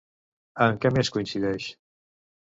Amb què més coincideix?